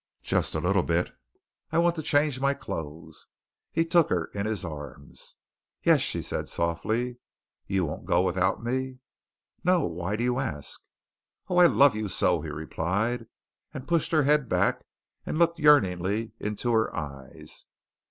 "Just a little bit. I want to change my clothes." He took her in his arms. "Yes," she said softly. "You won't go without me?" "No. Why do you ask?" "Oh, I love you so!" he replied, and pushed her head back and looked yearningly into her eyes.